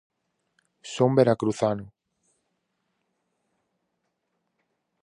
Son veracruzano.